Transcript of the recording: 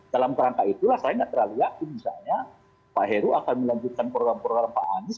dalam kerangka itulah saya nggak terlalu yakin misalnya pak heru akan melanjutkan program program pak anies